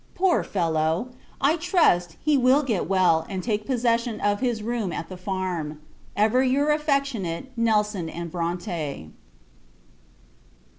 Poor fellow! I trust, he will get well, and take possession of his room at the farm. Ever your affectionate, NELSON & BRONTE.